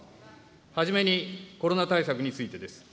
初めにコロナ対策についてです。